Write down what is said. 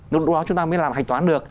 lúc đó chúng ta mới làm hành toán được